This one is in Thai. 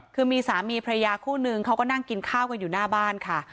คือมีสามีพระยาคู่นึงเขาก็นั่งกินข้าวกันอยู่หน้าบ้านค่ะ